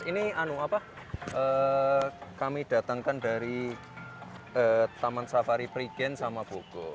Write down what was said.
ini kami datangkan dari taman safari prigen sama bogor